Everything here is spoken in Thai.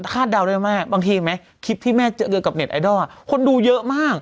เดาได้มากบางทีเห็นไหมคลิปที่แม่เจอกับเน็ตไอดอลคนดูเยอะมาก